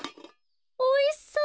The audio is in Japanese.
おいしそう。